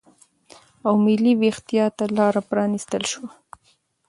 او ملي وېښتیا ته لاره پرا نستل شوه